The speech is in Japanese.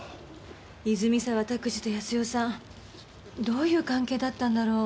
泉沢卓司と康代さんどういう関係だったんだろう？